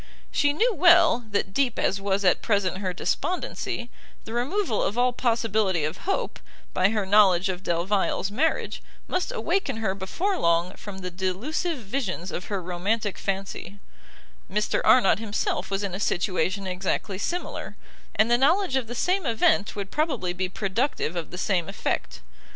She knew well, that deep as was at present her despondency, the removal of all possibility of hope, by her knowledge of Delvile's marriage, must awaken her before long from the delusive visions of her romantic fancy; Mr Arnott himself was in a situation exactly similar, and the knowledge of the same event would probably be productive of the same effect.